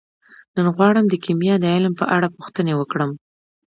نن غواړم د کیمیا د علم په اړه پوښتنې وکړم.